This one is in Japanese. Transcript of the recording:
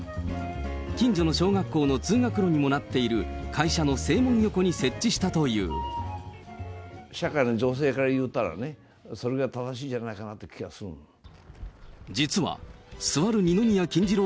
近所の小学校の通学路にもなっている会社の正門横に設置したとい社会の情勢からいうたらね、それが正しいんじゃないかなっていう気がするんですよ。